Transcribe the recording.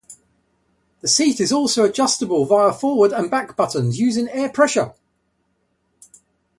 The seat is also adjustable via "forward" and "back" buttons using air pressure.